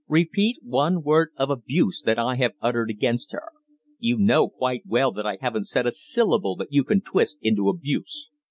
Repeat one word of abuse that I have uttered against her. You know quite well that I haven't said a syllable that you can twist into abuse.